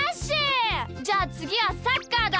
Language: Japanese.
じゃあつぎはサッカーだ！